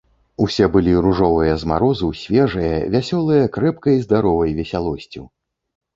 Усе былі ружовыя з марозу, свежыя, вясёлыя крэпкай, здаровай весялосцю.